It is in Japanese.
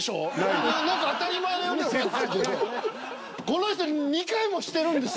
この人２回もしてるんですよ。